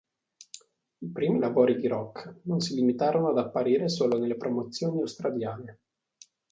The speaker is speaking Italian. I primi lavori di Rock non si limitarono ad apparire solo nelle promozioni australiane.